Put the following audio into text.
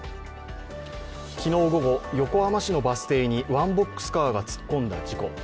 昨日午後、横浜市のバス停にワンボックスカーが突っ込んだ事故。